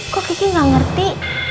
kok kiki gak ngerti